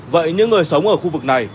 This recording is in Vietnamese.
vậy những người sống ở khu vực này